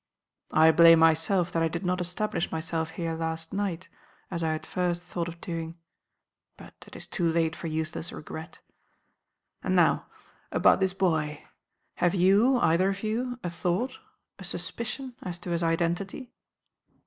"I blame myself that I did not establish myself here last night, as I at first thought of doing. But it is too late for useless regret. And now, about this boy. Have you, either of you, a thought, a suspicion, as to his identity?"